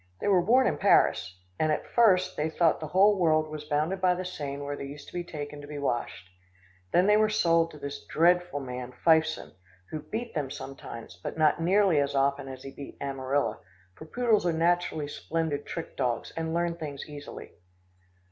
They were born in Paris, and at first they thought the whole world was bounded by the Seine where they used to be taken to be washed. Then they were sold to this dreadful man, Fifeson, who beat them sometimes, but not nearly as often as he beat Amarilla, for poodles are naturally splendid trick dogs, and learn things easily.